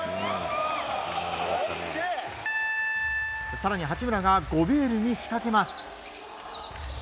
更に八村がゴベールに仕掛けます。